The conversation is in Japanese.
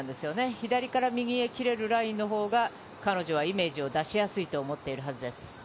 左から右に切れるラインのほうが彼女はイメージを出しやすいと思ってるはずです。